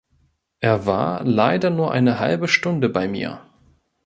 Er war leider nur eine halbe Stunde bei mir.